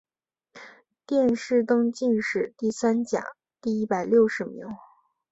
殿试登进士第三甲第一百六十名。